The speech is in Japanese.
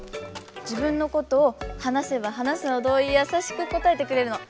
自分のことを話せば話すほどやさしく答えてくれるの。